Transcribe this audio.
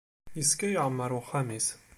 Yes-k yeɛmer uxxam-iw.